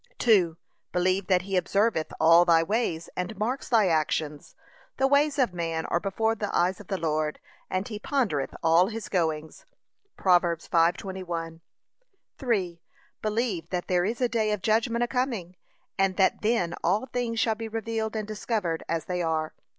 2. Believe that he observeth all thy ways and marks thy actions. 'The ways of man are before the eyes of the Lord, and he pondereth all his goings.' (Prov. 5:21) 3. Believe that there is a day of judgment a coming, and that then all things shall be revealed and discovered as they are.